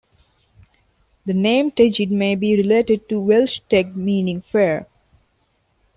The name Tegid may be related to Welsh "teg", meaning "fair".